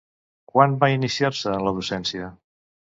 Quan va iniciar-se en la docència?